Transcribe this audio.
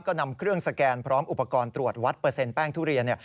ก็นำเครื่องสแกนพร้อมอุปกรณ์ตรวจวัดเปอร์เซ็นแป้งทุเรียน